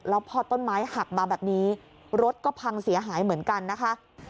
แล้วพอต้นไม้หักมาแบบนี้รถก็พังเสียหายเหมือนกันนะคะ